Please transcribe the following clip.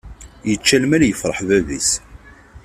Yečča lmal yefreḥ bab-is.